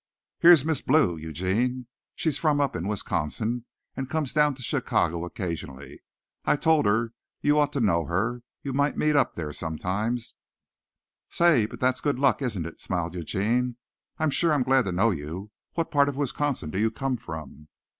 "Here's Miss Blue, Eugene. She's from up in Wisconsin, and comes down to Chicago occasionally. I told her you ought to know her. You might meet up there sometime." "Say, but that's good luck, isn't it?" smiled Eugene. "I'm sure I'm glad to know you. What part of Wisconsin do you come from?"